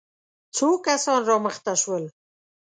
څو کسان را مخته شول.